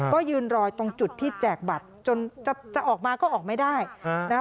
ก็ยืนรอตรงจุดที่แจกบัตรจนจะออกมาก็ออกไม่ได้นะคะ